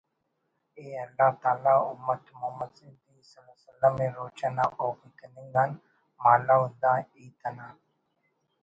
ءِ اللہ تعالیٰ امت محمدیﷺ ءِ روچہ نا حکم تننگ آن مہالو دا ہیت انا